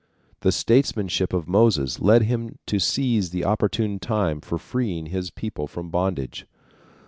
The statesmanship of Moses led him to seize the opportune time for freeing his people from bondage.